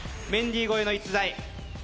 メンディー超えの逸材